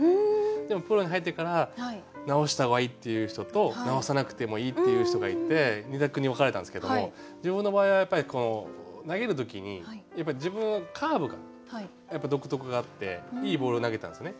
でもプロに入ってから直した方がいいっていう人と直さなくてもいいっていう人がいて２択に分かれたんですけども自分の場合はやっぱり投げる時に自分はカーブが独特があっていいボール投げたんですね